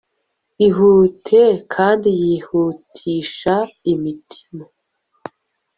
Ihute kandi yihutisha imitima